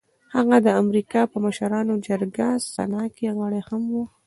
هغه د امريکا په مشرانو جرګه سنا کې غړی هم و.